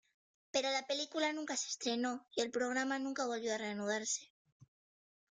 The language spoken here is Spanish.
Pero la película nunca se estrenó, y el programa nunca volvió a reanudarse.